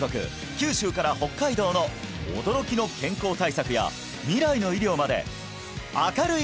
九州から北海道の驚きの健康対策や未来の医療まで「明るい！